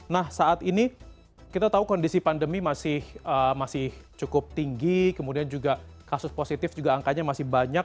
nah saat ini kita tahu kondisi pandemi masih cukup tinggi kemudian juga kasus positif juga angkanya masih banyak